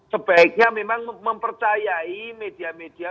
sebaiknya memang mempercayai media media